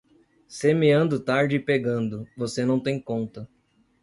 Semeando tarde e pegando, você não tem conta.